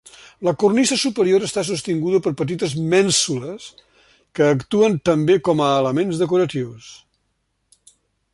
La cornisa superior està sostinguda per petites mènsules que actuen també com a elements decoratius.